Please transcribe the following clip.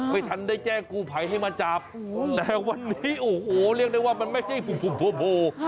ไม่ทันได้แจ้งกูภัยให้มาจับแต่วันนี้โอ้โหเรียกได้ว่ามันไม่ใช่กลุ่มโผล่